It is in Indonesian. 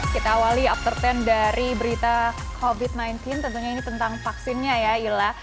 kita awali after sepuluh dari berita covid sembilan belas tentunya ini tentang vaksinnya ya ila